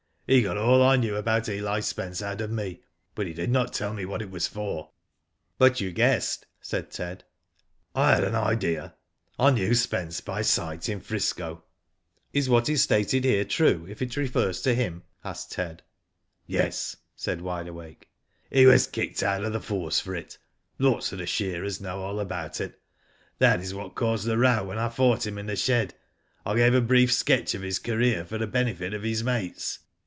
He got all I knew about Eli Spence out of me, but he did not tell me what it was for." " But you guessed ?" said Ted. " I had an idea. I knew Spence by sight in 'Frisco. " Is what is stated here true if it refers to him ?" asked Ted. ''Yes," said Wide. Awake; "he was kicked out of the force for it. Lots of the shearers know all about it. That is what caused the row. when I fought him in the shed. I gave a brief sketch of his career for the benefit of his mates."